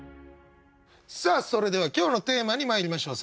さあそれでは今日のテーマにまいりましょう。